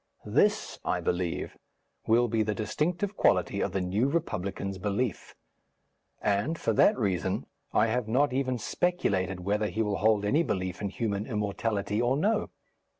This, I believe, will be the distinctive quality of the New Republican's belief. And, for that reason, I have not even speculated whether he will hold any belief in human immortality or no.